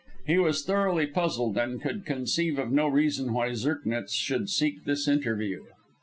He was thoroughly puzzled, and could conceive of no reason why Zirknitz should seek this interview.